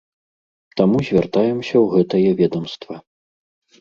Таму звяртаемся ў гэтае ведамства.